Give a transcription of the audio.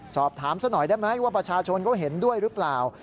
สอบถามซะหน่อยได้ไหมว่าประชาชนเขาเห็นด้วยหรือเปล่า